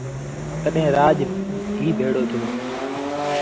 تڏهيݩ رآڄ آئي ڀيڙو ٿيو۔